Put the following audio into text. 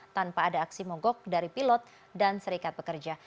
tanpa ada aksi mogok dari pilot dan serikat pekerja